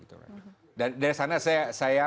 dan dari sana saya